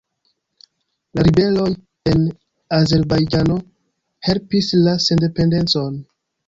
La ribeloj en Azerbajĝano helpis la sendependecon.